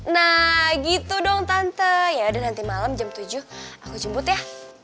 nah gitu dong tante ya udah nanti malam jam tujuh aku jemput ya